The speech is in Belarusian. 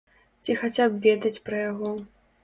Ці хаця б ведаць пра яго.